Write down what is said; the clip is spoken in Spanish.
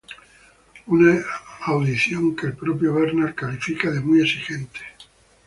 Unas audiciones que el propio Bernal califica de muy exigentes.